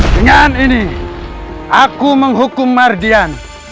dengan ini aku menghukum mardian